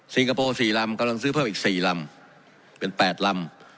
สิงคโปร์สี่ลำกำลังซื้อเพิ่มอีกสี่ลำเป็นแปดลำ